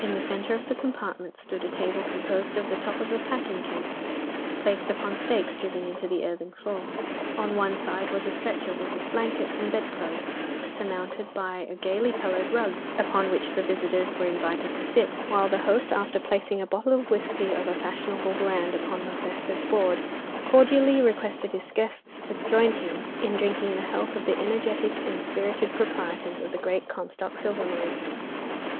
In the centre of the compartment stood a table composed of the top of a packing case, placed upon stakes driven into the earthen floor. At one side was a stretcher with his blankets and bedclothes, surmounted by a gaily coloured rug, upon which the visitors were invited to sit, while the host after placing a bottle of whisky of a fashionable brand upon the festive board, cordially requested his guests to join him in drinking the health of the energetic and spirited proprietors of the Great Comstock Silver Mine.